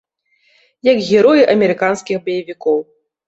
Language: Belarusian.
Як героі амерыканскіх баевікоў.